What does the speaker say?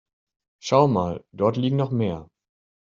Schau mal, dort liegen noch mehr.